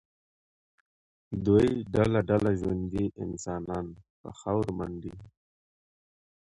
دوی ډله ډله ژوندي انسانان په خاورو منډي.